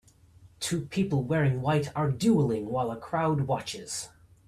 Two people wearing white are dueling while a crowd watches.